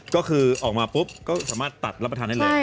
ก็คือออกมาปุ๊บก็สามารถตัดรับประทานได้เลย